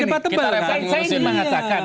kita reputasi mengatakan